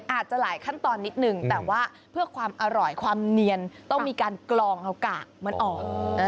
อาจจะหลายขั้นตอนนิดหนึ่งแต่ว่าเพื่อความอร่อยความเนียนต้องมีการกลองเอากากมันออก